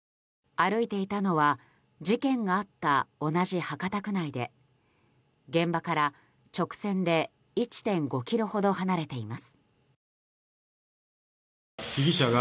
歩いていたのは事件があった同じ博多区内で現場から直線で１．５ｋｍほど離れています。